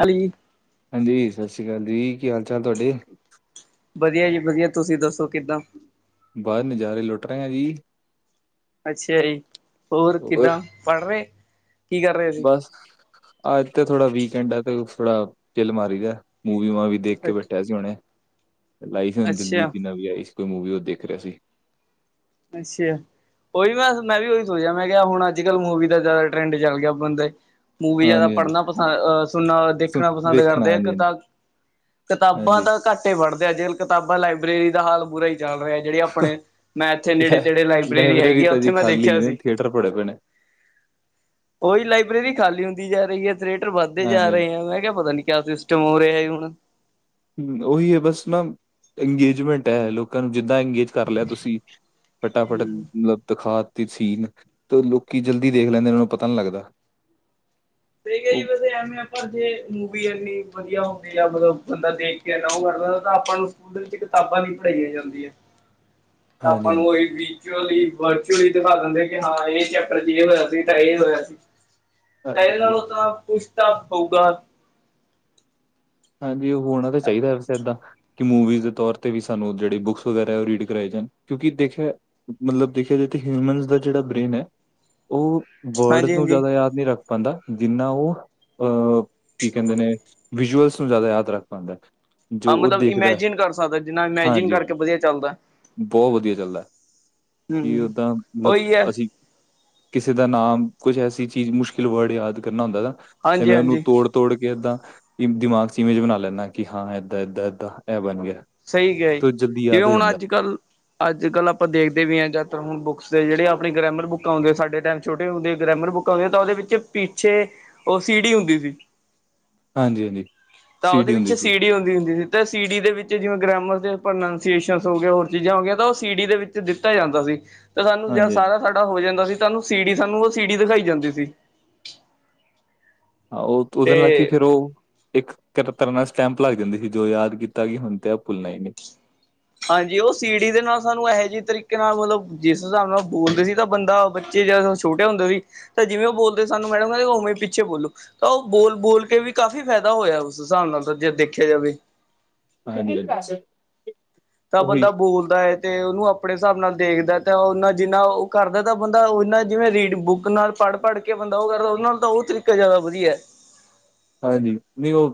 ਹਾਲੀ। ਹਾਂਜੀ, ਸਤਿ ਸ਼੍ਰੀ ਅਕਾਲ ਜੀ। ਕੀ ਹਾਲ- ਚਾਲ ਤੁਹਾਡੇ? ਵਧੀਆ ਜੀ ਵਧੀਆ, ਤੁਸੀਂ ਦੱਸੋ ਕਿੱਦਾਂ? ਬਸ ਨਜ਼ਾਰੇ ਲੁੱਟ ਰਹੇ ਆ ਜੀ। ਅੱਛਾ ਜੀ, ਹੋਰ ਕਿੱਦਾਂ ਪੜ ਰਹੇ? ਕਰ ਰਹੇ ਸੀ ਬਸ, ਆਜ ਤੇ ਥੋੜਾ ਵੀਕਐਂਡ ਹੈ। ਤੇ ਥੋੜਾ ਚਿਲ ਮਾਰੀ ਦਾ ਹੈ। ਮੂਵੀ- ਮਾਵੀ ਦੇਖ ਕੇ ਬੈਠਿਆ ਸੀ ਉਹਨੇ। ਲਾਈ ਅੱਛਾ ਸੀਜਲਜੀਤ ਦੀ ਨਵੀ ਆਈ ਸੀ। ਕੋਈ ਮੂਵੀ ਉਹ ਦੇਖ ਰਿਹਾ ਸੀ। ਅੱਛੇਆ। ਉਹੀ ਮੈਂ, ਮੈਂ ਵੀ ਉਹੀ ਸੋਚਿਆ। ਮੈਂ ਕਿਹਾ ਹੁਣ ਅੱਜ ਕੱਲ ਮੂਵੀ ਦਾ, ਜ਼ਿਆਦਾ ਟਰੈਂਡ ਚੱਲ ਗਿਆ। ਬੰਦਾ ਮੂਵੀ ਜ਼ਿਆਦਾ ਹਾਂਜੀ ਹਾਂਜੀ ਪੜਨਾ ਪਸੰਦ, ਅਹ ਸੁਣਨਾ, ਸੁਣ ਦੇਖਣਾ ਪਸੰਦ ਵੇਖਣਾ ਕਰਦੇ ਹਾਂਜੀ ਇੱਕ। ਤਾਂ ਕਿਤਾਬਾਂ ਹਾਂਜੀ ਤਾਂ ਘੱਟ ਹੀ ਪੜਦੇ ਆ। ਜੇ ਕਿਤਾਬਾਂ ਲਾਇਬ੍ਰੇਰੀ ਦਾ ਹਾਲ ਬੁਰਾ ਹੀ ਚੱਲ ਰਿਹਾ। ਜਿਹੜੇ ਹਾਂਜੀ ਆਪਣੇ ਮੈ ਲੈ ਨੇੜੇ- ਤੇੜੇ ਲਾਇਬ੍ਰੇਰੀ ਹੈਗੀ ਆ। ਤਾਂ ਉੱਥੇ ਜੀ ਮੈਂ ਖਾਲੀ ਦੇਖਿਆ ਨੇ ਸੀ। ਥੀਏਟਰ ਭਰੇ ਪਏ ਨੇ ਉਹੀ ਲਾਇਬ੍ਰੇਰੀ ਖਾਲੀ ਹੁੰਦੀ ਜਾ ਰਹੀ ਹੈ। ਰੇਟਰ ਵੱਧਦੇ ਜਾ ਹਾਂਜੀ ਹਾਂਜੀ ਰਹੇ ਆ। ਮੈਂ ਕਿਹਾ ਪਤਾ ਨੀ ਕਿਆ ਸਿਸਟਮ ਹੋ ਰਿਹਾ ਹੈ, ਹੁਣ। ਹ ਉਹੀ ਹੈ ਬਸ ਨਾ ਅੰਗੇਜਮੈਂਟ ਹੈ। ਲੋਕਾਂ ਨੂੰ ਜਿੱਦਾਂ ਅੰਗੇਜ ਕਰ ਲਿਆ ਤੁਸੀਂ, ਫਟਾਫਟ ਮਤਲਬ ਦਿਖਾ ਤੇ ਸੀਨ ਤੇ ਲੋਕੀ ਜਲਦੀ ਦੇਖ ਲੈਂਦੇ। ਇਹਨਾਂ ਨੂੰ ਪਤਾ ਨਹੀਂ ਲੱਗਦਾ। ਤੇ ਉਹ ਕਈ ਬੰਦੇ ਐਵੇਂ ਆ ਬਸ, ਜੇ ਮੂਵੀ ਇੰਨੀ ਵਧੀਆ ਹੋਦੀ ਆ। ਮਤਲਬ ਬੰਦਾ ਦੇ ਤੇ ਅਲਾਓ ਕਰਤਾਂ ਆਪਾਂ ਨੂੰ, ਸਕੂਲ ਦੇ ਵਿੱਚ ਕਿਤਾਬਾਂ ਨ ਪੜਾਈਆਂ ਜਾਂਦੀਆਂ। ਤਾਂ ਹਾਂਜੀ ਆਪਾਂ ਨੂੰ, ਉਹਹੀ ਵੀ ਲੀ ਵਰਚੁਅਲੀ ਦਿਖਾ ਦਿੰਦੇ ਕਿ ਹਾਂ। ਇਹ ਚੈਪਟਰ ਚ ਇਹ ਹੋਇਆ ਸੀ, ਤਾਂ ਇਹ ਹੋਇਆ ਸੀ। ਪਹਿਲੇ ਹਾਂਜੀ ਅ- ਨਾਲੋਂ ਤਾਂ ਕੁਛ ਤਾਂ ਹੋਊਗਾ। ਹਾਂਜੀ ਉਹ ਹੋਣਾ ਤਾਂ ਚਾਹੀਦਾ ਵੈਸੇ ਏਦਾਂ। ਕਿ ਮੂਵੀਜ਼ ਦੇ ਤੌਰ ਤੇ ਵੀ ਸਾਨੂੰ ਜਿਹੜੇ ਬੁੱਕਸ, ਵਗੈਰਾ ਰੀਡ ਕਰਵਾਏ ਜਾਣ। ਕਿਉਂਕਿ ਦੇਖਿਆ ਮਤਲਬ ਦੇਖਿਆ ਜਾਏ ਤਾ ਹਿਊਮਨ ਦਾ ਜਿਹੜਾ, ਬ੍ਰੇਨ ਹੈ। ਉਹ ਵਰਡਜ਼ ਹਾਂਜੀ ਤੋ ਹਾਂਜੀ ਜ਼ਿਆਦਾ ਯਾਦ ਨਹੀਂ ਰੱਖ ਪਾਉਂਦਾ। ਜਿੰਨਾ ਉਹ ਅਹ ਕੀ ਕਹਿੰਦੇ ਨੇ ਵਿਜ਼ੂਅਲ ਤੋ ਜ਼ਿਆਦਾ ਯਾਦ ਰੱਖ ਪਾਉਂਦਾ। ਆਹ ਮਤਲਬ ਦੇਖਦਾ ਹੈ। ਇਮੈਜਿਨ ਕਰ ਸਕਦਾ। ਜਿੰਨਾ ਇਮੈਜਿਨ ਹਾਂਜੀ ਹਾਂਜੀ ਕਰਕੇ ਵਧੀਆ ਚੱਲਦਾ। ਬਹੁਤ ਵਧੀਆ ਚੱਲਦਾ। ਕੀ ਹਮ ਓਦਾਂ ਮਤਲਬ ਉਹੀ ਹੈ ਅਸੀਂ ਕਿਸੇ ਦਾ ਨਾਮ ਕੁਛ ਐਸੀ ਚੀਜ਼, ਮੁਸ਼ਕਿਲ ਵਰਡ ਯਾਦ ਕਰਨਾ ਹੁੰਦਾ ਨਾ ਹਾਂਜੀ ਜਿਵੇਂ ਉਹਨੂੰ ਹਾਂਜੀ ਤੋੜ ਤੋੜ ਕੇ ਏਦਾਂ ਦਿਮਾਗ ਚ, ਇਵੇਂਜ ਬਣਾ ਲੈਂਦਾ ਕਿ ਹਾਂ ਇਏਦਾਂ - ਏਦਾਂ ਇਹ ਬਣ ਗਿਆ। ਸਹੀ ਕਿਆ ਜੀ। ਤੇ ਉਹ ਜਲਦੀ ਜਿਵੇਂ ਯਾਦ ਹੋ ਹੁਣ ਜਾਂਦਾ। ਅੱਜ ਕੱਲ ਅੱਜ ਕੱਲ ਆਪਾਂ ਦੇਖਦੇ ਵੀ ਹਾਂ ਜਾਤਰ ਹੁਣ ਬੁੱਕਸ ਦੇ ਜਿਹੜੇ ਆਪਣੇ ਗ੍ਰਾਮਰ ਬੁੱਕਾਂ ਹੁੰਦੇ ਸਾਡੇ ਟੈਮ ਛੋਟੇ ਹੁੰਦੇ ਗ੍ਰਾਮਰ ਬੁੱਕ ਉਂਦੇ ਤਾਂ ਉਹਦੇ ਵਿੱਚ ਪਿੱਛੇ ਉਹ ਸੀੜੀ ਹੁੰਦੀ ਸੀ। ਹਾਂਜੀ, ਹਾਂਜੀ ਤਾਂ ਉਹਦੇ ਸੀਡੀ ਵਿੱਚ ਹੁੰਦੀ ਸੀ। ਸੀੜੀ ਹੁੰਦੀ ਹੁੰਦੀ ਸੀ ਤੇ ਸੀੜੀ ਦੇ ਵਿੱਚ ਜਿਵੇਂ ਗ੍ਰਾਮਰ ਦੇ ਪ੍ਰੋਨਾਸੀਏਸ਼ਨ ਹੋਗੇ ਹੋਰ ਚੀਜ਼ਾਂ ਹੋ ਗਈਆਂ ਤਾਂ ਉਹ ਸੀ ਡੀ ਦੇ ਵਿੱਚ ਦਿੱਤਾ ਜਾਂਦਾ ਸੀ। ਤੇ ਸਾਨੂੰ ਜ ਹਾਂਜੀ, ਹਾਂਜੀ ਸਾਰਾ ਸਾਡਾ ਹੋ ਜਾਂਦਾ ਸੀ ਸਾਨੂੰ ਸੀੜੀ ਸਾਨੂੰ ਉਹ ਸੀੜੀ ਦਿਖਾਈ ਜਾਂਦੀ ਸੀ। ਆ ਉਹ ਉਹਦੇ ਨਾਲ ਕੇ ਤੇ ਫੇਰ ਉਹ ਇੱਕ ਤ ਤਰ੍ਹਾਂ ਨਾਲ ਸਟੈਂਪ ਲੱਗ ਜਾਂਦੀ ਸੀ ਜੋ ਯਾਦ ਕੀਤਾ ਕਿ ਹੁਣ ਤੇ ਆ ਭੁੱਲਣਾ ਹੀ ਨਹੀਂ। ਹਾਂਜੀ ਉਹ ਸੀੜੀ ਦੇ ਨਾਲ ਸਾਨੂੰ ਇਹੇ ਜਿਹੇ ਤਰੀਕੇ ਨਾਲ ਮਤਲਬ ਜਿਸ ਹਿਸਾਬ ਨਾਲ ਬੋਲਦੇ ਸੀ ਤਾਂ ਬੰਦਾ ਚੇਜ਼ ਛੋਟੇ ਹੁੰਦੇ ਸੀ ਤਾਂ ਜਿਵੇਂ ਉਹ ਬੋਲਦੇ ਸਾਨੂੰ ਮੈਡਮ ਕਿੰਦੇ ਉਵੇਂ ਪਿੱਛੇ ਬੋਲੋ ਤਾਂ ਉਹ ਬੋਲ- ਬੋਲ ਕੇ ਵੀ ਕਾਫ਼ੀ ਫੈਦਾ ਹੋਇਆ ਉਸ ਹਿਸਾਬ ਨਾਲ ਤਾਂ ਜੇ ਦੇਖਿਆ ਜਾਵੇ ਹਾਂ [unintelligible] ਤਾਂ ਬੰਦਾ ਬੋਲਦਾ ਹੈ। ਤੇ ਉਹਨੂੰ ਆਪਣੇ ਹਿਸਾਬ ਨਾਲ ਦੇਖਦੈ ਤੇ ਉਹਨਾ ਜਿੰਨਾ ਉਹ ਕਰਦੈ ਤਾਂ ਬੰਦਾ ਉਹਨਾ ਜਿਵੇਂ ਰੀਡ ਬੁੱਕ ਨਾਲ ਪੜ੍ਹ- ਪੜ੍ਹ ਬੰਦਾ ਉਹ ਕਰਦਾ ਉਹਨਾਂ ਨੂੰ ਤਾਂ ਉਹ ਤਰੀਕਾ ਜ਼ਿਆਦਾ ਵਧੀਐ। ਹਾਂਜੀ ਨਹੀਂ ਉਹ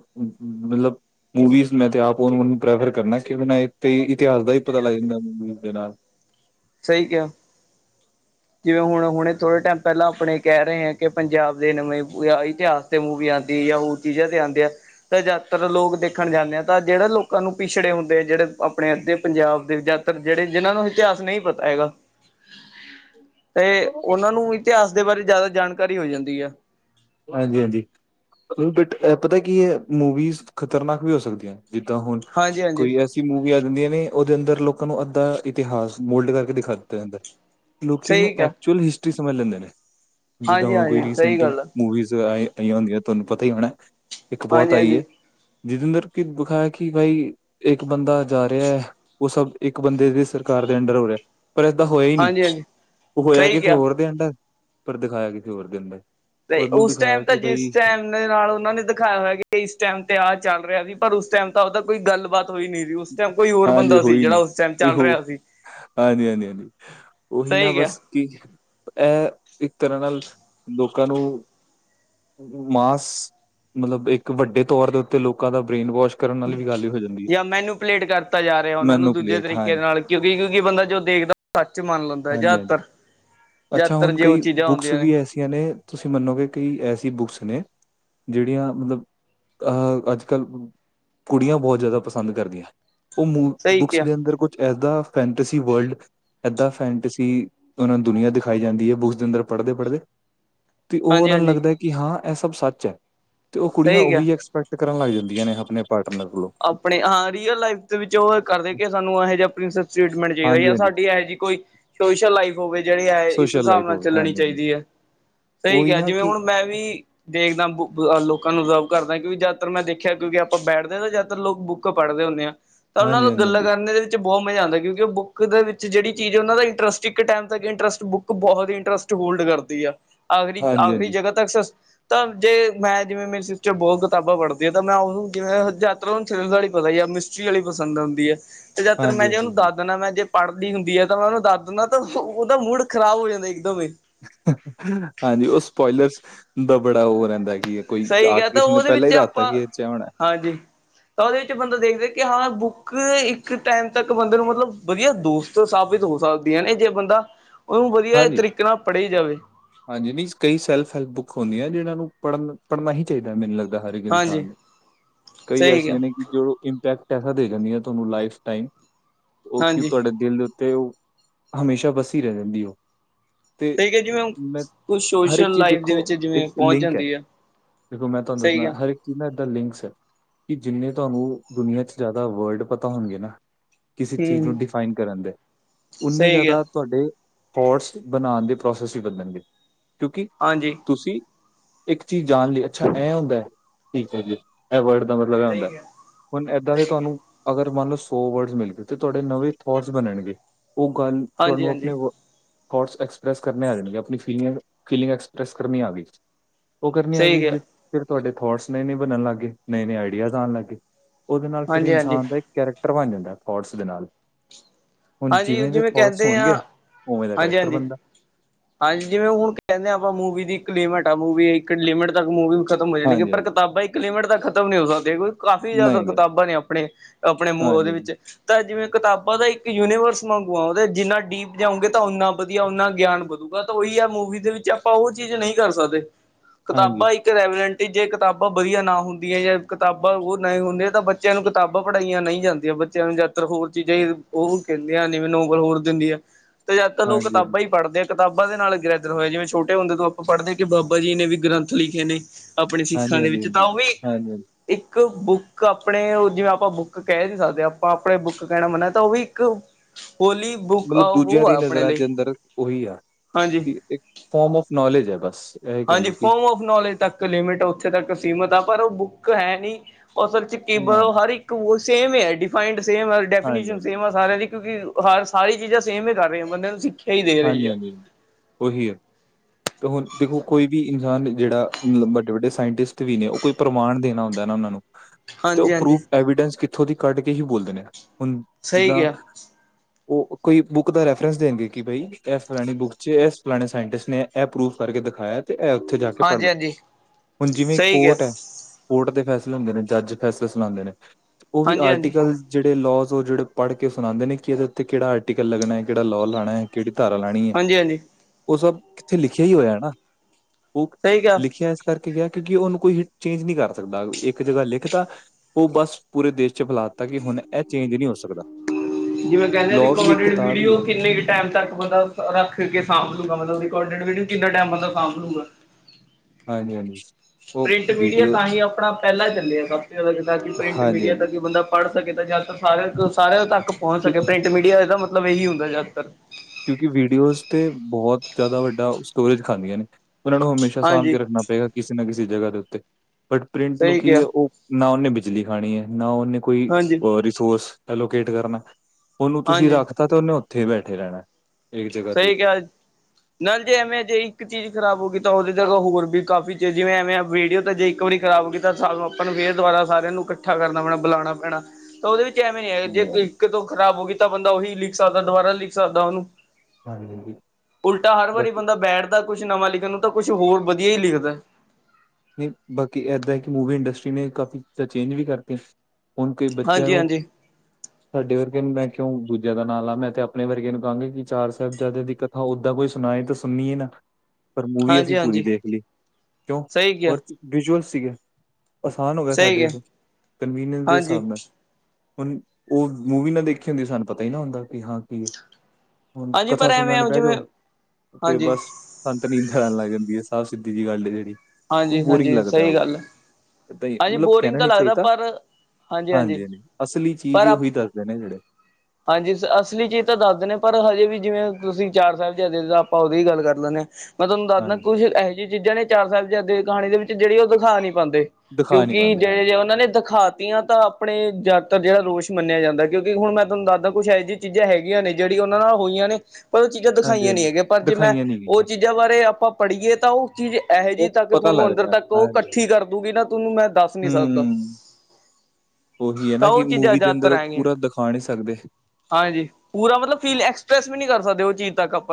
ਮਤਲਬ ਮੂਵੀਜ਼ ਮੈਂ ਤੇ ਆਪ ਉਹਨੂੰ ਪ੍ਰੈਫਰ ਕਰਨਾ ਕਿ ਇਤੇ ਇਤਿਹਾਸ ਦਾ ਹੀ ਪਤਾ ਲੱਗ ਜਾਂਦੈ ਮਵੀਜ਼ ਦੇ ਨਾਲ ਸਹੀ ਕਿਹਾ। ਜਿਵੇਂ ਹੁਣ ਹੁਣੇ ਥੋੜ੍ਹੇ ਟੈਮ ਪਹਿਲਾਂ ਆਪਣੇ ਕਹਿ ਰਹੇ ਐਂ ਕਿ ਪੰਜਾਬ ਦੇ ਨਵੇਂ ਇਤਿਹਾਸ ਤੇ ਮੂਵੀ ਆਂਦੀ ਜਾਂ ਹੋਰ ਚੀਜ਼ਾਂ ਤੇ ਆਂਦੇ ਐ ਤਾਂ ਯਾਤਰ ਲੋਕ ਦੇਖਣ ਜਾਂਦੇ ਆ ਤਾਂ ਜਿਹੜੇ ਲੋਕਾਂ ਨੂੰ ਪਿਛੜੇ ਹੁੰਦੇ ਆ ਜਿਹੜੇ ਆਪਣੇ ਅੱਧੇ ਪੰਜਾਬ ਦੇ ਤਰ ਜਿਹੜੇ ਜਿਹਨਾਂ ਨੂੰ ਇਤਿਹਾਸ ਨਹੀਂ ਪਤਾ ਹੈਗਾ। ਤੇ ਉਹਨਾਂ ਨੂੰ ਇਤਿਹਾਸ ਦੇ ਬਾਰੇ ਜ਼ਿਆਦਾ ਜਾਣਕਾਰੀ ਹੋ ਜਾਂਦੀ ਹੈ। ਹਾਂਜੀ- ਹਾਂਜੀ। ਬਟ ਪਤੈ ਕੀ ਐ ਮੂਵੀਜ਼ ਖ਼ਤਰਨਾਕ ਵੀ ਹੋ ਸਕਦੀਆਂ ਜਿੱਦਾਂ ਹੁਣ ਹਾਂਜੀ ਹਾਂਜੀ ਕੋਈ ਮੂਵੀ ਆ ਜਾਂਦੀਆਂ ਨੇ ਉਹਦੇ ਅੰਦਰ ਲੋਕਾਂ ਨੂੰ ਅੱਧਾ ਇਤਿਹਾਸ ਮੋਲਡ ਕਰਕੇ ਦਿਖਾ ਦਿੱਤਾ ਜਾਂਦੈ ਲੋਕੀ ਉਹਨੂੰ ਸਹੀ ਕਿਹਾ ਐਕਚੁਅਲ ਹਿਸਟਰੀ ਸਮਝ ਲੈਂਦੇ ਨੇ ਜਿੱਦਾਂ ਹਾਂਜੀ ਹੁਣ ਕੋਈ ਹਾਂਜੀ ਸਹੀ ਰੀਸੈਂਟੀ ਗੱਲ ਆ ਮੂਵੀਜ ਆਏ ਆਈਆਂ ਹੁੰਦੀਐਂ ਤੁਹਾਨੂੰ ਪਤੈ ਹੀ ਹੋਣੈ ਇੱਕ ਬਹੁਤ ਹਾਂਜੀ ਆਈ ਹਾਂਜੀ ਏ। ਜਿਦੇ ਅੰਦਰ ਕਿ ਦਿਖਾਇਆ ਕਿ ਬਾਈ ਇੱਕ ਬੰਦਾ ਜਾ ਰਿਹੈ। ਉਹ ਸਭ ਇੱਕ ਬੰਦੇ ਦੇ ਸਰਕਾਰ ਦੇ ਅੰਡਰ ਹੋ ਰਿਹੈ। ਪਰ ਇੱਦਾ ਹੋਇਆ ਹੀ ਨਹੀਂ ਹਾਂਜੀ ਹਾਂਜੀ ਉਹ ਹੋਇਆ ਸਹੀ ਕਿਤੇ ਕਿਹਾ ਹੋਰ ਦੇ ਅੰਡਰ ਪਰ ਦਿਖਾਇਆ ਕਿਤੇ ਹੋਰ ਤੇ ਉਹਨੂੰ ਉਸ ਟੈਮ ਦਿਖਾਇਆ ਤਾਂ ਕਿ ਜਿਸ ਭਾਈ ਟੈਮ 'ਤੇ ਨਾਲ ਉਹਨਾਂ ਨੇ ਦਿਖਾਇਆ ਹੋਇਆ ਕਿ ਇਸ ਟੈਮ ਤੇ ਆਹ ਚੱਲ ਰਿਹਾ ਸੀ ਪਰ ਉਸ ਟੈਮ ਤਾਂ ਉਹ ਤਾਂ ਕੋਈ ਗੱਲਬਾਤ ਹੋਈ ਨਹੀ ਸੀ। ਉਸ ਟੈਮ ਕੋਈ ਹੋਰ ਹਾਂਜੀ ਬੰਦਾ ਸੀ ਹੋਈ ਜਿਹੜਾ ਨਹੀਂ ਉਸ ਟੈਮ ਕੋਈ ਚੱਲ ਹੋ ਰਿਹਾ ਸੀ। ਹਾਂਜੀ, ਹਾਂਜੀ, ਹਾਂਜੀ। ਉਹੀ ਨਾ ਸਹੀ ਕਿਹਾ ਬਸ- ਕਿ, ਇਹ ਇੱਕ ਤਰ੍ਹਾਂ ਨਾਲ ਲੋਕਾਂ ਨੂੰ- ਮਾਸ ਮਤਲਬ, ਇੱਕ ਵੱਡੇ ਤੌਰ ਦੇ ਉੱਤੇ ਲੋਕਾਂ ਦਾ ਬ੍ਰੇਨ ਵਾਸ਼- ਕਰਨ ਨਾਲ ਵੀ ਗੱਲ ਹੀ ਹੋ ਜਾਂਦੀ ਹੈ। ਯਾ, ਮੈਨੂੰ ਪਲੇਟ ਕਰ- ਕੀਤਾ ਜਾ ਰਿਹਾ। ਉਹਨਾਂ ਨੂੰ ਦੂਜੇ ਮੈਨੂਪਲੇਟ ਤਰੀਕੇ ਹਾਂਜੀ, ਨਾਲ ਕਿਉਂਕਿ, ਕਿਉਂਕਿ ਬੰਦਾ ਜੋ ਦੇਖਦਾ ਸੱਚ ਮੰਨ ਲੈਂਦਾ ਹਾਂਜੀ, ਹਾਂਜੀ। ਜ਼ਿਆਦਾਤਰ। ਹ [inaudible] ਅੱਛਾ। ਹੁਣ ਕਈ ਬੁੱਕਸ ਵੀ ਐਸੀਆਂ ਨੇ, ਤੁਸੀਂ ਮੰਨੋਗੇ ਕਈ ਐਸੀ ਬੁੱਕਸ ਨੇ। ਜਿਹੜੀਆਂ ਮਤਲਬ ਅਹ ਅੱਜ ਕੱਲ੍ਹ ਕੁੜੀਆਂ ਬਹੁਤ ਜ਼ਿਆਦਾ ਪਸੰਦ ਕਰਦੀਆਂ। ਉਹ ਮੁੱਲ ਸਹੀ ਬੁੱਕਸ ਕਿਹਾ ਦੇ ਅੰਦਰ ਕੁਛ- ਏਦਾਂ ਫੈਂਟਸੀ ਵਰਲਡ, ਏਦਾਂ ਫੈਂਟਸੀ ਉਹਨਾਂ ਨੂੰ - ਦੁਨੀਆਂ ਦਿਖਾਈ ਜਾਂਦੀ ਹੈ। ਬੁੱਕਸ ਦੇ ਅੰਦਰ ਪੜ੍ਹਦੇ -ਪੜ੍ਹਦੇ ਤੇ ਉਹ, ਹਾਂਜੀ ਉਹਨਾਂ ਨੂੰ ਹਾਂਜੀ ਲੱਗਦੈ ਕਿ - ਕਿ ਹਾਂ, ਇਹ ਸਭ ਸੱਚ ਹੈ। ਤੇ ਉਹ ਕੁੜੀਆਂ ਸਹੀ ਕਿਹਾ ਉਹੀ ਐਕਸਪੈਕਟ ਕਰਨ ਲੱਗ ਜਾਂਦੀਆਂ ਨੇ, ਆਪਣੇ ਪਾਰਟਨਰ ਵਲੋਂ- ਆਪਣੇ ਹਾਂ, ਰੀਅਲ ਲਾਈਫ ਦੇ ਵਿੱਚੋ ਉਹ ਕਰਦੇ ਕਿ ਸਾਨੂੰ ਇਹੋ ਜਿਹਾ ਪ੍ਰਿੰਸ - ਸੀਟਮੈਂਟ ਚਾਹੀਦੀ ਐ ਜਾਂ ਹਾਂਜੀ-ਹਾਂਜੀ ਸਾਡੀ ਇਹੋ ਜਿਹੀ ਕੋਈ- ਸੋਸ਼ਲ ਲਾਈਫ ਹੋਵੇ, ਜਿਹੜੀ ਹੈ ਇਸ ਸੋਸ਼ਲ ਹਿਸਾਬ ਲਾਈਫ ਨਾਲ ਹੋਵੇ ਚੱਲਣੀ ਹਾਂਜੀ-ਹਾਂਜੀ ਚਾਹੀਦੀ ਏ। ਸਹੀ ਉਹੀ ਕਿਹਾ। ਨਾ ਜਿਵੇਂ ਕਿ ਹੁਣ ਮੈਂ ਵੀ- ਦੇਖਦਾ ਬੁੱਕ -ਲੋਕਾਂ ਨੂੰ ਰਿਜ਼ਵ ਕਰਦਾ ਆਂ। ਕਿਉਂਕਿ ਜਿਆਦਾਤਰ ਮੈਂ ਦੇਖਿਆ। ਕਿਉਂਕਿ ਆਪਾਂ ਬੈਠਦੇ ਆਂ ਨਾ ਜਦ - ਲੋਕ ਬੁੱਕ ਪੜ੍ਹਦੇ ਹੁੰਦੇ ਆ। ਤਾਂ ਉਹਨਾਂ ਨਾਲ ਗੱਲਾਂ ਹਾਂਜੀ-ਹਾਂਜੀ-ਹਾਂਜੀ, ਕਰਨ ਦੇ- ਬਹੁਤ ਮਜ਼ਾ ਆਉਂਦਾ। ਕਿਉਂਕਿ ਉਹ ਬੁੱਕ ਦੇ ਵਿੱਚ ਜਿਹੜੀ ਚੀਜ਼ ਹੈ। ਉਹਨਾਂ ਦਾ ਇੰਟਰਸਟ ਇੱਕ ਟਾਈਮ ਤੱਕ ਇੰਟਰਸਟ ਬੁੱਕ- ਉਹ ਬਹੁਤ ਹੀ ਇੰਟਰਸਟ ਹੋਲਡ ਕਰਦੀ ਆਂ। ਆਖਰੀ- ਆਖਰੀ ਹਾਂਜੀ-ਹਾਂਜੀ, ਹਾਂਜੀ-ਹਾਂਜੀ-ਹਾਂਜੀ। ਜਗ੍ਹਾ ਤੱਕ ਸਸ - ਤਾਂ ਜੇ ਮੈਂ ਜਿਵੇਂ, ਮੇਰੀ ਸਿਸਟਰ ਬਹੁਤ ਕਿਤਾਬਾਂ ਪੜ੍ਹਦੀ ਆ ਤਾਂ ਮੈਂ ਉਹਨੂੰ ਜਿਵੇਂ- ਤਰੋ ਚਰਨ ਦਾ ਪਤੈ ਆਂ। ਮਿਸਟਰੀ ਆਲੀ ਪਸੰਦ ਆਉਂਦੀ ਏ, ਤੇ ਜਾਦਤਰ ਹਾਂਜੀ ਹਾਂਜੀ ਮੈਂ ਜੇ ਹਾਂਜੀ ਉਹਨੂੰ ਹਾਂਜੀ ਦੱਸ ਦਿੰਦਾ, ਮੈਂ ਜੇ- ਪੜ੍ਹਦੀ ਹੁੰਦੀ ਹੈ। ਤਾਂ ਮੈਂ ਉਹਨੂੰ ਦੱਸ ਦਿੰਦਾ ਤਾਂ, ਉਹਦਾ ਮੂਡ ਖ਼ਰਾਬ ਹੋ ਜਾਂਦਾ, ਇੱਕ ਦਮ ਹੀ। ਹਾਂਜੀ, ਉਹ ਸਪੋਯਲਸ ਦਾ ਬੜਾ, ਉਹ ਰਹਿੰਦਾ ਕੀ ਹੈ। ਸਹੀ ਕਿਹਾ। ਤਾਂ ਉਹਦੇ ਵਿੱਚ ਆਪਾਂ ਹੋਣਾ -ਹਾਂਜੀ ਤਾਂ ਉਹਦੇ ਵਿੱਚ ਬੰਦਾ ਦੇਖਦਾ। ਕਿ ਹਾਂ ਬੁੱਕ ਇੱਕ ਟਾਈਮ ਤੱਕ ਬੰਦੇ ਨੂੰ ਮਤਲਬ ਵਧੀਆ ਦੋਸਤ- ਇਸ ਤੋ ਸਾਬਿਤ ਹੋ ਸਕਦੀਆਂ ਨੇ, ਜੇ ਬੰਦਾ ਉਹਨੂੰ ਵਧੀਆ ਹਾਂਜੀ। ਤਰੀਕੇ ਨਾਲ ਪੜ੍ਹੀ ਜਾਵੇ। ਹਾਂਜੀ, ਨਹੀਂ ਕਈ ਸੈਲਫ਼ ਹੈਲਪ ਬੁੱਕ ਹੁੰਦੀਆਂ। ਜਿਹਨਾਂ ਨੂੰ ਪੜਨ -ਪੜਨਾ ਹੀ ਚਾਹੀਦਾ। ਮੈਨੂੰ ਲੱਗਦਾ। ਤਾਂ ਹਰ ਇੱਕ ਹਾਂਜੀ ਇਨਸਾਨ, ਕਈ ਸਹੀ ਕਿਹਾ ਐਸੀਆਂ ਨੇ ਕਿ - ਜੋ ਇੰਪੈਕਟ ਐਸਾ ਦੇ ਜਾਂਦੀ ਏ, ਤੁਹਾਨੂੰ ਲਾਈਫ ਟਾਈਮ। ਉਹ ਕਿ ਹਾਂਜੀ ਤੁਹਾਡੇ ਦਿਲ ਦੇ ਉੱਤੇ ਉਹ- ਹਮੇਸ਼ਾ ਬਸੀ ਰਹਿ ਜਾਂਦੀ ਉਹ। 'ਤੇ, ਸਹੀ ਕਿਹਾ ਜਿਵੇਂ ਮੈਂ ਕੁਛ ਹਰ ਇੱਕ ਸੋਸ਼ਲ ਚੀਜ਼ ਲਾਈਫ ਦੇ ਦੇਖੋ, ਵਿੱਚ ਇੱਕ ਜਿਵੇਂ ਪਹੁੰਚ ਲਿੰਕ ਹੈ। ਜਾਂਦੀ ਆ ਦੇਖੋ, ਮੈਂ ਤੁਹਾਨੂੰ ਸਹੀ ਦੱਸਣਾ ਕਿਹਾ ਹਰ ਇੱਕ- ਜਿੰਨਾ ਦਾ ਲਿੰਕਸ ਹੈ। ਕਿ ਜਿੰਨੇ ਤੁਹਾਨੂੰ ਦੁਨੀਆਂ ਚ ਜ਼ਿਆਦਾ ਵਰਲਡ ਪਤਾ ਹੋਣਗੇ ਨਾ- ਕਿਸੇ ਚੀਜ਼ ਨੂੰ ਹੂੰ ਡਿਫਾਈਨ ਕਰਨ ਦੇ, ਓਨੇ ਸਹੀ ਕਿਹਾ ਜ਼ਿਆਦਾ ਤੁਹਾਡੇ- ਫੋਟਸ ਬਣਾਉਣ ਦੇ ਪ੍ਰੋਸੈਸ ਹੀ ਵਧਣਗੇ। ਕਿਉਂਕਿ- ਹਾਂਜੀ ਤੁਸੀਂ, ਇੱਕ ਚੀਜ਼ ਜਾਣ ਲਈ, ਅੱਛਾ। ਏ ਹੁੰਦਾ ਹੈ। ਠੀਕ ਹੈ ਜੀ। ਇਹ ਵਰਡ ਦਾ ਮਤਲਬ ਏ ਹੁੰਦਾ ਸਹੀ ਹੈ। ਕਿਹਾ ਹੁਣ ਏਦਾਂ ਦੇ ਸਹੀ ਕਿਹਾ ਤੁਹਾਨੂੰ- ਅਗਰ ਮੰਨ ਲਓ। ਸੌ ਵਰਡ ਮਿਲ ਗਏ 'ਤੇ ਤੁਹਾਡੇ ਨਵੇਂ ਥੋਟਸ ਬਣਨਗੇ। ਉਹ ਗੱਲ ਹਾਂਜੀ ਤੁਹਾਨੂੰ ਆਪਣੇ ਹਾਂਜੀ ਵ - ਥੋਸਟ ਐਕਸਪ੍ਰੈਸ ਕਰਨੇ ਆ ਜਾਣਗੇ। ਆਪਣੀ ਫੀਲਿੰਗ -ਫੀਲਿੰਗ ਐਕਸਪ੍ਰੈਸ ਕਰਨੀ ਆ ਗਈਂ। ਉਹ ਕਰਨੀ ਆ ਸਹੀ ਗਈ। ਕਿਹਾ ਫਿਰ ਤੁਹਾਡੇ ਥੋਟਸ ਨਏ- ਨਏ ਬਣਨ ਲੱਗ ਗਏ। ਨਏ -ਨਏ ਆਈਡੀਆਜ਼ ਆਉਣ ਲੱਗ ਗਏ। ਉਹਦੇ ਨਾਲ ਫਿਰ ਹਾਂਜੀ ਹਾਂਜੀ ਇਨਸਾਨ ਦਾ ਇੱਕ ਕਰੈਕਟਰ ਬਣ ਜਾਂਦਾ ਹੈ। ਥੋਟਸ ਦੇ ਨਾਲ- ਹੁਣ ਹਾਂਜੀ ਜਿਵੇਂ ਦੇ ਥੋਟਸ ਕਹਿੰਦੇ ਆ ਹੋਣਗੇ, ਉਵੇਂ ਦਾ ਹਾਂਜੀ ਕਰੈਕਟਰ ਹਾਂਜੀ ਬਣਦਾ। ਹਾਂਜੀ, ਜਿਵੇਂ ਹੁਣ ਕਹਿੰਦੇ ਹਾਂ। ਆਪਾਂ ਮੂਵੀ ਦੀ ਇੱਕ ਲਿਮਿਟ ਆ। ਮੂਵੀ ਇੱਕ ਲਿਮਿਟ ਤੱਕ ਮੂਵੀ- ਖ਼ਤਮ ਹੋ ਜਾਣਗੇ। ਹਾਂਜੀ ਪਰ ਹਾਂਜੀ ਕਿਤਾਬਾਂ ਇੱਕ ਲਿਮਟ ਤੱਕ ਖ਼ਤਮ ਨੀ ਹੋ ਸਕਦੀਆਂ ਕੋਈ- ਕਾਫ਼ੀ ਜ਼ਿਆਦਾ ਨਹੀਂ ਨਹੀਂ ਕਿਤਾਬਾਂ ਨੇ, ਆਪਣੇ -ਆਪਣੇ ਮੂੰਹ ਉਹਦੇ ਹਾਂਜੀ ਵਿੱਚ- ਤਾਂ ਜਿਵੇਂ ਕਿਤਾਬਾਂ ਦਾ ਇੱਕ ਯੂਨੀਵਰਸ ਮੰਗਵਾਉਂਦੇ। ਜਿੰਨਾ ਡੀਪ ਜਾਉਂਗੇ, ਤਾਂ ਉਨਾ ਵਧੀਆ ਉਨਾ ਗਿਆਨ ਵਧ ਬਤ ਉਹੀ ਆ ਮੂਵੀ ਦੇ ਵਿੱਚ ਆਪਾਂ ਉਹ ਚੀਜ਼ ਨਹੀਂ ਕਰ ਸਕਦੇ ਹਾਂਜੀ ਕਿਤਾਬਾਂ ਇ ਰੈਲਵੈਂਟੀ ਜੇ ਕਿਤਾਬਾਂ ਵਧੀਆ ਨਾ ਹੁੰਦੀਆਂ ਜਾਂ ਕਿਤਾਬਾਂ ਉਹ ਨਹੀਂ ਹੁੰਦੇ ਤਾਂ ਬੱਚਿਆਂ ਨੂੰ ਕਿਤਾਬਾਂ ਪੜ੍ਹਾਈਆਂ ਨਹੀਂ ਜਾਂ ਬੱਚਿਆਂ ਨੂੰ ਜ਼ਿਆਦਾਤਰ ਹੋਰ ਚੀਜ਼ਾਂ ਹੀ ਉਹ ਕਹਿੰਦੇ ਆ ਨਵੇਂ ਨੌਕਲ ਹੋਰ ਦਿੰਦੀਆਂ। ਤੇ ਜਿਆਦਾਤਰ ਲੋਕ ਹਾਂਜੀ ਹਾਂਜੀ ਕਿਤਾਬਾਂ ਹੀ ਪੜ੍ਹਦੇ। ਕਿਤਾਬਾਂ ਦੇ ਨਾਲ ਗ੍ਰੈਦਰ ਹੋਏ ਜਿਵੇਂ ਛੋਟੇ ਹੁੰਦੇ ਤੋਂ ਆਪਾਂ ਪੜ੍ਹਦੇ ਹਾਂ ਕਿ ਬਾਬਾ ਜੀ ਨੇ ਵੀ ਗ੍ਰੰਥ ਲਿਖੇ ਨੇ। ਆਪਣੇ ਸਿੱਖਾਂ ਹਾਂਜੀ ਹਾਂਜੀ ਦੇ ਵਿੱਚ, ਤਾਂ ਹਾਂਜੀ ਉਹ ਵੀ ਹਾਂਜੀ ਇੱਕ ਬੁੱਕ ਆਪਣੇ ਜਿਵੇਂ ਆਪਾਂ ਬੁੱਕ ਕਹਿ ਨੀ ਸਕਦੇ ਆਪਾਂ ਆਪਣੇ ਬੁੱਕ ਕਹਿਣਾ ਮੰਨਾ ਤਾਂ ਉਹ ਵੀ ਇੱਕ ਓਲੀਵ ਮਤਲਬ ਦੂਜਿਆਂ ਦੀ ਨਜ਼ਰਾਂ ਦੇ ਅੰਦਰ ਉਹੀ ਆ ਹਾਂਜੀ ਕਿ ਇੱਕ ਫੋਮ ਆਫ ਨੌਲੇਜ ਹੈ ਬਸ ਇਹ ਕਹਿ ਹਾਂਜੀ ਲਓ ਕਿ ਫੋਮ ਆਫ ਨੌਲੇਜ ਤੱਕ ਲਿਮਿਟ ਉੱਥੇ ਤੱਕ ਸੀਮਿਤ ਆ ਪਰ ਉਹ ਬੁੱਕ ਹੈ ਨੀ ਅਸਲ ਚ ਨਾ, ਕੇਵਲ ਨਾ। ਹਰ ਇੱਕ ਰੂਲ ਸੇਮ ਏ, ਡਿਫਾਇੰਡ ਸੇਮ, ਡੈਫੀਨੇਸ਼ਨ ਹਾਂਜੀ-ਹਾਂਜੀ। ਸੇਮ ਆ ਸਾਰਿਆਂ ਦੀ ਕਿਉਂਕਿ ਓ ਹਰ ਸਾਰੀ ਚੀਜ਼ਾਂ ਸੇਮ ਹੀ ਕਰ ਰਹੇ ਆ ਬੰਦਿਆਂ ਨੂੰ ਸਿੱਖ ਹਾਂਜੀ ਹਾਂਜੀ, ਉਹੀ ਆ। ਤੇ ਹੁਣ ਦੇਖੋ ਕੋਈ ਵੀ ਇਨਸਾਨ ਜਿਹੜਾ ਮਤਲਬ ਵੱਡੇ -ਵੱਡੇ ਸਾਇੰਟਿਸਟ ਵੀ ਨੇ ਉਹ ਕੋਈ ਪ੍ਰਮਾਣ ਦੇਣਾ ਹੁੰਦਾ ਨਾ ਉਹਨਾਂ ਨੂੰ। [inaudible] ਤੇ, ਉਹ ਹਾਂਜੀ ਪ੍ਰੂਫ ਐਵੀਡੈਂਸ ਕਿੱਥੋਂ ਦੀ ਕੱਢਕੇ ਹੀ ਬੋਲਦੇ ਨੇ, ਹੁਣ ਸਹੀ ਜਿੱਦਾਂ ਕਿਹਾ ਉਹ, ਕੋਈ ਬੁੱਕ ਦਾ ਰੈਫਰੰਸ ਦੇਣਗੇ। ਕਿ ਬਈ, ਇਸ ਫਲਾਣੇ ਬੁੱਕ'ਚ, ਇਸ ਫਲਾਣੇ ਸਾਇੰਟੀਸਟ ਨੇ ਐ ਪ੍ਰੂਵ ਕਰਕੇ ਦਿਖਾਇਆ, ਤੇ ਐ ਉੱਥੇ ਜਾਕੇ ਹਾਂਜੀ ਪੜ੍ਹਲੋ, ਹਾਂਜੀ ਹੁਣ ਜਿਵੇਂ ਸਹੀ ਕਿਹਾ ਕੋਰਟ ਐ ਕੋਰਟ ਦੇ ਫੈਸਲੇ ਹੁੰਦੇ ਨੇ, ਜੱਜ ਫੈਸਲੇ ਸੁਣਾਂਦੇ ਨੇ, ਤੇ ਉਹ ਹੀ ਹਾਂਜੀ ਹਾਂਜੀ ਆਰਟੀਕਲ ਜਿਹੜੇ ਲੌਜ਼, ਉਹ ਜਿਹੜੇ ਪੜਕੇ ਸੁਣਾਂਦੇ ਨੇ, ਕਿਹਦੇ ਉੱਤੇ ਕਿਹੜਾ ਆਰਟੀਕਲ ਲੱਗਣਾ ਹੈ, ਕਿਹੜਾ ਲੌ ਲਾਣਾ ਏ। ਕਿਹੜੀ ਧਾਰਾ ਲਾਉਣੀ ਏ, ਹਾਂਜੀ ਹਾਂਜੀ ਉਹ ਸਭ ਕਿੱਥੇ ਲਿਖਿਆ ਹੀ ਹੋਇਆ ਨਾ? ਓਕ ਸਹੀ ਕਿਹਾ ਲਿਖਿਆ ਸ ਕਰਕੇ ਗਿਆ ਕਿਉਂਕਿ ਉਹਨੂੰ ਕੋਈ ਚੇਂਜ ਨਹੀਂ ਕਰ ਸਕਦਾ ਇੱਕ ਜਗ੍ਹਾ ਲਿਖਤਾ ਉਹ ਬਸ ਪੂਰੇ ਦੇਸ਼ ਚ ਫੈਲਾ ਤਾ ਕਿ ਹੁਣ ਇਹ ਚੇਂਜ ਨਹੀਂ ਹੋ ਸਕਦਾ। ਜਿਵੇੈਂ ਕਹਿੰਦੇ, ਲੌ ਵੀ ਇੱਕ ਰਿਕਾਰਡੀੜ ਕਿਤਾਬ ਹੀ ਵੀਡੀਓ ਹੈ ਕਿੰਨੇ ਟਾਈਮ ਤੱਕ ਬੰਦਾ ਰੱਖਕੇ ਸਾਂਭਲੂਗਾ, ਮਤਲਬ ਰਿਕਾਰਡੀਡ ਵਿਡੀੳ ਕਿਨਾੰ ਟਾਈਮ ਬੰਦਾ ਸਾਂਭ ਲੂਗਾ। ਹਾਂਜੀ-ਹਾਂਜੀ। ਪ੍ਰਿੰਟ ਮੀਡੀਆ ਤਾਂ ਹੀ ਆਪਣਾ ਪਹਿਲਾਂ ਚੱਲਿਆ ਕਾਫੀ ਜਿਆਦਾ ਜਿਦਾ ਕਿ, ਪ੍ਰਿੰਟ ਹਾਂਜੀ ਮੀਡੀਆ ਹਾਂਜੀ ਤ ਕਿ ਬੰਦਾ ਪੜ੍ਹ ਸਕੇ ਤਾਂ ਜਿਆਦਾਤਰ ਹਰ ਇੱਕ ਸਾਰਿਆਂ ਤੱਕ ਪਹੁੰਚ ਕਿਉਂ ਸਕੇ, ਪ੍ਰਿੰਟ ਮੀਡੀਆ, ਇਹਦਾ ਮਤਲਬ ਇਹੀ ਹੁੰਦਾ ਜ਼ਿਆਦਾਤਰ। ਕਿਉਂਕਿ ਵੀਡੀਓਜ਼ ਤੇ ਬਹੁਤ ਜ਼ਿਆਦਾ, ਵੱਡਾ ਸਟੋਰੇਜ ਖਾਂਦੀਆਂ ਨੇ। ਉਹਨਾਂ ਨੂੰ ਹਮੇਸ਼ਾ ਸਾਂਭ ਕੇ ਹਾਂਜੀ ਰੱਖਣਾ ਪਏਗਾ ਕਿਸੇ ਨਾ ਕਿਸੇ ਜਗ੍ਹਾ ਦੇ ਉੱਤੇ, ਬਟ ਪ੍ਰਿੰਟ ਨੂੰ ਸਹੀ ਕੀ ਕਿਹਾ ਹੈ, ਉਹ ਨਾ ਉਹਨੇ ਬਿਜਲੀ ਖਾਣੀ ਏ, ਨਾ ਉਹਨੇ ਕੋਈ ਹਾਂਜੀ ਅ ਰੀਸੋਰਸ ਐਲੋਕੇਟ ਕਰਨਾ ਉਹਨੂੰ ਤੁਸੀਂ ਹਾਂਜੀ ਰੱਖਤਾ ਤੇ ਉਹਨੇ ਉੱਥੇ ਈ ਬੈਠੇ ਰਹਿਣਾ। ਇੱਕ ਜਗ੍ਹਾ ਤੇ ਹੀ ਸਹੀ ਕਿਆ ਨਾਲ ਜੇ ਐਵੇਂ ਜੇ ਇੱਕ ਚੀਜ਼ ਖ਼ਰਾਬ ਹੋ ਗਈ ਤਾਂ, ਉਹਦੀ ਜਗ੍ਹਾ ਹੋਰ ਵੀ ਕਾਫ਼ੀ'ਚ ਜਿਵੇਂ ਐਵੇਂ ਆ ਵੀੇਡੀਓ ਤੇ ਜੀ ਇੱਕ ਵਾਰੀ ਖਰਾਬ ਹੋਗੀ ਤਾ ਸਾਨੂੰ ਆਪਣ ਫੇਰ ਦੁਬਾਰਾ ਸਾਰਿਆਂ ਨੂੰ ਇਕੱਠਾ ਕਰਨਾ ਪੈਣਾ, ਬੁਲਾਉਣਾ ਪੈਣਾ। ਤਾਂ ਉਹਦੇ ਵਿੱਚ ਐਵੇਂ ਹੈਗਾ, ਜੇ ਕੋਈ ਹਾਂਜੀ ਇੱਕ-ਦੋ ਖਰਾਬ ਹੋ ਗਈ ਤਾਂ ਬੰਦਾ ਉਹੀ ਲਿਖ ਸਕਦਾ ਦੁਬਾਰਾ ਲਿਖ ਸਕਦਾ ਉਹਨੂੰ। ਭਰ ਜੇਗੀ ਉਲਟਾ ਹਰ ਵਾਰੀ ਬੰਦਾ ਬੈਠਦਾ ਕੁਛ ਨਵਾਂ ਲਿਖਣ ਨੂੰ, ਤਾਂ ਕੁਛ ਹੋਰ ਵਧੀਆ ਈ ਲਿਖਦਾ। ਨਹੀਂ ਬਾਕੀ ਏਦਾਂ ਹੈ ਕਿ, ਮੂਵੀ ਇੰਡਸਟਰੀ ਨੇ ਕਾਫੀ ਚੇਂਜ ਵੀ ਕਰਤੀ। ਹੁਨ ਕਈ ਬੱਚਿਆਂ ਹਾਂਜੀ ਨੂੰ ਹਾਂਜੀ ਸਾਡੇ ਵਰਗਿਆ ਨੂੰ ਮੈਂ ਕਿਉਂ ਦੂਜਿਆਂ ਦਾ ਨਾਂ ਲਾਂ, ਮੈਂ ਤੇ ਆਪਣੇ ਵਰਗੇ ਨੂੰ ਕਹਾਂਗਾ ਕਿ ਚਾਰ ਸਾਹਿਬਜ਼ਾਦੇ ਦੀ ਕ ਹਾਂ, ਓਦਾਂ ਕੋਈ ਸੁਣਾਏ ਤਾਂ ਸੁਨਨੀਏ ਨਾ। [inaudible] ਪਰ ਮੂਵੀ ਅਸੀਂ ਪੂਰੀ ਹਾਂਜੀ ਦੇਖ ਲਈ, ਕਿਉਂ? ਸਹੀ ਕਿਆ। ਵਿਜ਼ੂਅਲ ਸੀਗੇ, ਆਸਾਨ ਹੋਗਿਆ ਸਹੀ ਸਾਡੇ ਕਿਹਾ ਆਸਤੇ, ਕਨਵੀਨੀਅਨ ਦੇ ਹਾਂਜੀ ਹਿਸਾਬ ਨਾਲ ਹੁਣ, ਉਹ ਮੂਵੀ ਨਾ ਦੇਖੀ ਹੁੰਦੀ, ਸਾਨੂੰ ਪਤਾ ਹੀ ਨਾ ਹੁੰਦਾ ਕਿ, ਹਾਂ ਕੀ ਆ। ਹੁਣ ਹਾਂਜੀ ਕਥਾ ਪਰ ਸੁਣਨ ਐਵੇਂ ਨੂੰ ਜਿਵੇਂ ਬਹਿਜੋ, ਤੇ ਹਾਂਜੀ ਬਸ ਸਾੰਨ ਤਾਂ ਨੀਂਦਰ ਆਣ ਲੱਗ ਜਾਂਦੀ ਏ, ਸਾਫ਼-ਸਿੱਧੀ ਜੀ ਗੱਲ ਏ ਜਿਹੜੀ, ਓ ਹਾਂਜੀ ਬੋਰਿੰਗ ਹਾਂਜੀ ਲੱਗਦਾ ਸਹੀ ਉਹ। ਗੱਲ ਹੈ ਇਦਾਂ ਹੀ ਏ, ਹਾਂਜੀ ਮਤਲਬ ਬੋਰਿੰਗ ਕਹਿਣਾ ਤਾਂ ਨੀ ਲੱਗਦਾ ਚਾਹੀਦਾ ਪਰ ਹਾਂਜੀ ਹਾਂਜੀ ਹਾਂਜੀ-ਹਾਂਜੀ, ਅਸਲੀ ਚੀਜ਼ ਹੀ ਪਰ ਉਹੀ ਦੱਸਦੇ ਨੇ ਜਿਹੜੇ। ਹਾਂਜੀ, ਅਸਲੀ ਚੀਜ਼ ਤਾਂ ਦੱਸਦੇ ਨੇ ਪਰ ਹਜੇ ਵੀ, ਜਿਵੇਂ, ਤੁਸੀਂ ਚਾਰ-ਸਾਹਿਬਜ਼ਾਦੇ ਤਾਂ ਆਪਾਂ ਓਹਦੀ ਗੱਲ ਕਰ ਲੈਂਨੇ ਆਂ ਮੈਂ ਤੁਹਾਨੂੰ ਦੱਸਦਾ, ਹਾਂਜੀ ਕੁਛ ਇਹੋ ਜਿਹੀ ਚੀਜ਼ਾਂ ਨੇ ਚਾਰ ਸਾਹਿਬਜ਼ਾਦੇ ਦੀ ਕਹਾਣੀ ਦੇ ਵਿੱਚ, ਜਿਹੜੀ ਉਹ ਦਿਖਾ ਨਹੀਂ ਪਾਂਦੇ। ਦਿਖਾ ਨਹੀਂ ਕਿਉਂਕੀ ਪਾਉਂਦੇ ਜਿਹ ਹਾਂਜੀ ਜਾ ਉਹਨਾਂ ਨੇ ਦਖਾ ਤੀਆਂ ਤਾਂ ਆਪਣੇ ਜ਼ਿਆਦਾਤਰ ਜਿਹੜਾ ਰੋਸ਼ ਮੰਨਿਆ ਜਾਂਦਾ, ਕਿਉਂਕਿ ਹੁਣ ਮੈਂ ਤੁਹਾਨੂੰ ਦੱਸਦਾ ਕੁਛ ਇਹੋ ਜਿ ਚੀਜ਼ਾਂ ਹੈਗੀਆਂ ਨੇ, ਜਿਹੜੀ ਉਹਨਾਂ ਨਾਲ ਹੋਈਆਂ ਨੇ, ਪਰ ਉਹ ਚੀਜ਼ਾਂ ਹਾਂਜੀ ਦਿਖਾਈਆਂ ਨੀ ਹਾਂਜੀ ਹੈਗੀਆਂ, ਪਰ ਜੇ ਮੈਂ, ਦਿਖਾਈਆਂ ਨਹੀਂ ਉਹ ਗਈਆਂ ਚੀਜ਼ਾਂ ਚੀਜ਼ਾਂ ਬਾਰੇ ਆਪਾਂ ਪੜ੍ਹੀਏ ਤਾਂ ਉਹ ਚੀਜ਼, ਇਹੋ ਜਿਹੀ ਉਹ ਤੱਕ ਕਿ ਪਤਾ ਤੁਹਾਨੂੰ ਅੰਦਰ ਲੱਗਦਾ ਤੱਕ ਉਹ ਹਾਂਜੀ ਹਾਂਜੀ ਇਕੱਠੀ ਕਰਦੂਗੀ ਨਾ ਥੋਨੂੰ ਮੈਂ, ਦੱਸ ਨੀ ਸਕਦਾ। ਹੂੰ ਉਹੀ ਆ ਨਾ, ਤਾਂ ਉਹ ਕਿ ਚੀਜ਼ਾਂ ਮੂਵੀ ਦੇ ਅੰਦਰ ਜ਼ਿਆਦਾਤਰ ਉਹ ਹੈਗੀਆਂ। ਪੂਰਾ ਦਿਖਾ ਨਹੀਂ ਸਕਦੇ। ਹਾਂਜੀ, ਪੂਰਾ ਮਤਲਬ ਫੀਲ ਐਕਸਪ੍ਰੈਸ ਵੀ ਨੀ ਕਰ ਸਕਦੇ, ਉਹ ਚੀਜ਼ ਤੱਕ ਆਪਾਂ ਨੂੰ